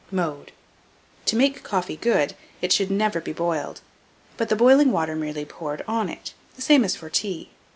Mode. To make coffee good, it should never be boiled, but the boiling water merely poured on it, the same as for tea.